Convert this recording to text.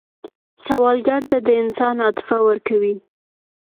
سوالګر ته د انسان عاطفه ورکوئ